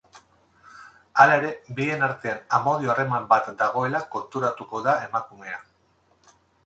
Hala ere, bien artean amodio-harreman bat dagoela konturatuko da emakumea.